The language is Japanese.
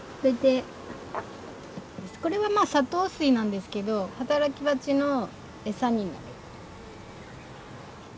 これはまあ砂糖水なんですけど働きバチのエサになる。